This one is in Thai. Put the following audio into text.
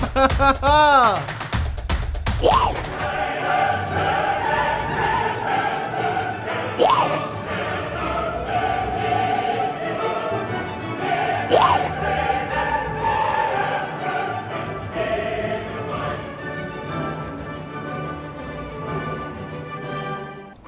ซักคร๐๔หายความหายปู่